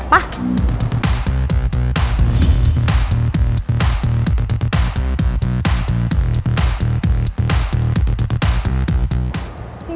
ป่ะ